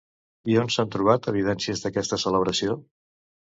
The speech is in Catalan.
I on s'han trobat evidències d'aquesta celebració?